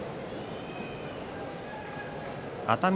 熱海